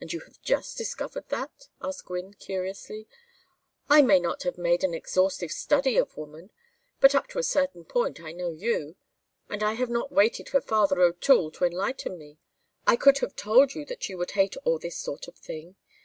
"And you have just discovered that?" asked Gwynne, curiously. "I may not have made an exhaustive study of woman, but up to a certain point I know you; and I have not waited for Father O'Toole to enlighten me. I could have told you that you would hate all this sort of thing.